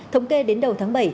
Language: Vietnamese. thống kê đến đầu tháng bảy